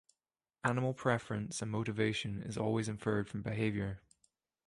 Animal preference and motivation is always inferred from behavior.